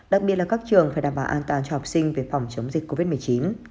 đặc biệt là các trường phải đảm bảo an toàn cho học sinh về phòng chống dịch covid một mươi chín